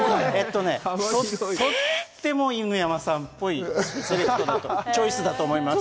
とっても犬山さんっぽいチョイスだと思います。